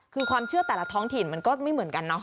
คือความเชื่อแต่ละท้องถิ่นมันก็ไม่เหมือนกันเนาะ